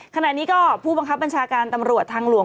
ขณะนี้ก็ผู้บังคับบัญชาการตำรวจทางหลวง